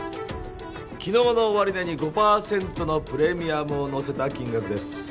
昨日の終値に５％のプレミアムをのせた金額ですおおっ！